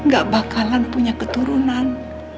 gak bakalan punya keturunan